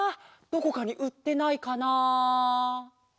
どこかにうってないかな？